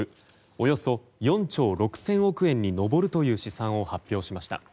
およそ４兆６０００億円に上るという試算を発表しました。